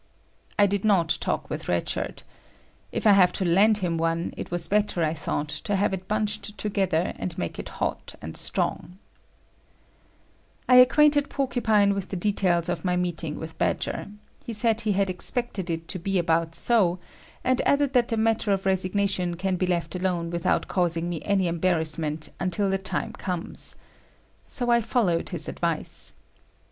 I did not talk with Red Shirt. If I have to land him one, it was better, I thought, to have it bunched together and make it hot and strong. I acquainted Porcupine with the details of my meeting with Badger. He said he had expected it to be about so, and added that the matter of resignation can be left alone without causing me any embarrassment until the time comes. So I followed his advice.